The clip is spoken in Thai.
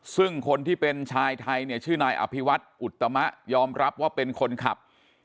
ซึ่งคนที่เป็นชายไทยเนี่ยชื่อนายอภิวัตอุตมะยอมรับว่าเป็นคนขับ